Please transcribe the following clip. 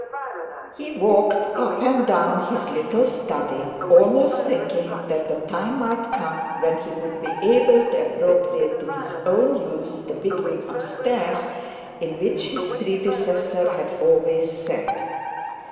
He walked up and down his little study, almost thinking that the time had come when he would be able to appropriate to his own use the big room upstairs, in which his predecessor had always sat.